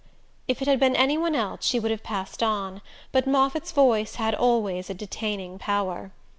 If it had been any one else she would have passed on; but Moffatt's voice had always a detaining power.